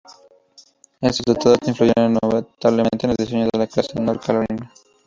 Estos tratados influyeron notablemente en el diseño de la clase "North Carolina".